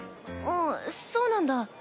あっそうなんだ。